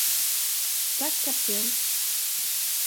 Tack, kapten!